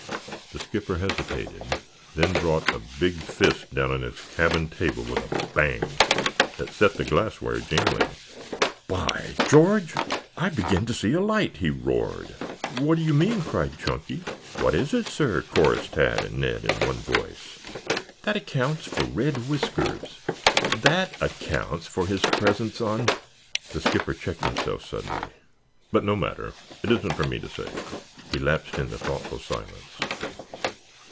The skipper hesitated, then brought a big fist down on his cabin table with a bang that set the glassware jingling. "By George, I begin to see a light!" he roared. "What do you mean?" cried Chunky. "What is it, sir?" chorused Tad and Ned in one voice. "That accounts for Red Whiskers. That accounts for his presence on " The skipper checked himself suddenly. "But no matter. It isn't for me to say." He lapsed into thoughtful silence.